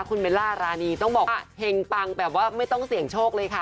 คุณเบลล่ารานีต้องบอกเฮงปังแบบว่าไม่ต้องเสี่ยงโชคเลยค่ะ